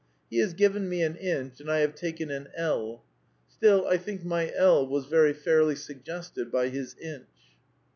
He has given me an inch and I have taken an ell. Still, I think my ell was very fairly suggested by his inch.